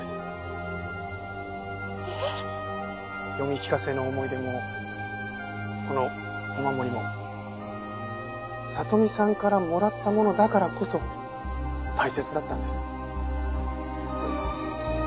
読み聞かせの思い出もこのお守りも里美さんからもらったものだからこそ大切だったんです。